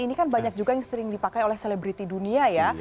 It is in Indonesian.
ini kan banyak juga yang sering dipakai oleh selebriti dunia ya